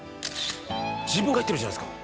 「自分が入ってるじゃないですか」